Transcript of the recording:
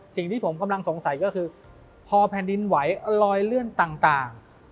สิ่งที่ผมกำลังสงสัยก็คือพอแผ่นดินไหวรอยเลื่อนต่าง